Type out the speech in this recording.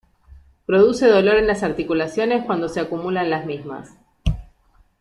Produce dolor en las articulaciones cuando se acumula en las mismas.